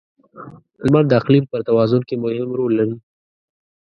• لمر د اقلیم پر توازن کې مهم رول لري.